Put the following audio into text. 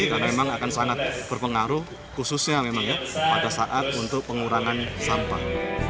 karena memang akan sangat berpengaruh khususnya memang ya pada saat untuk pengurangan sampah